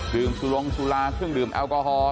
ซึ่งสลงสุลาเชื่อมดื่มแอลกอฮอล์